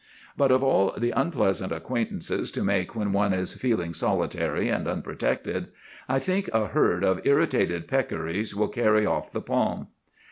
But of all the unpleasant acquaintances to make when one is feeling solitary and unprotected, I think a herd of irritated peccaries will carry off the palm.